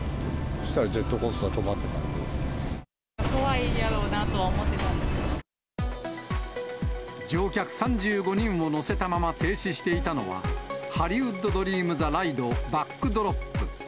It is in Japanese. そしたらジェットコースター止ま怖いやろうなとは思ってたん乗客３５人を乗せたまま停止していたのは、ハリウッド・ドリーム・ザ・ライド・バックドロップ。